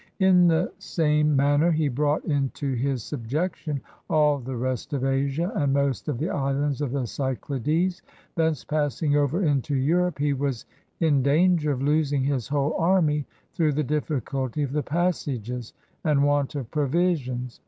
In the same manner he brought into his subjection all the rest of Asia and most of the islands of the Cyclades. Thence passing over into Europe, he was in danger of losing his whole army through the difficulty of the passages and want of provisions.